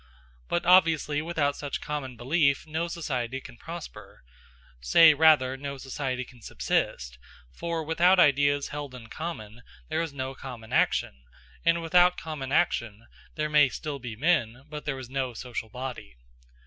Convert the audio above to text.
But obviously without such common belief no society can prosper say rather no society can subsist; for without ideas held in common, there is no common action, and without common action, there may still be men, but there is no social body.